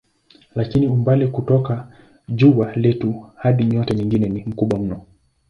Lakini umbali kutoka jua letu hadi nyota nyingine ni mkubwa mno.